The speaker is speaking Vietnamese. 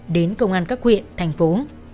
đến công an các huyện thành phố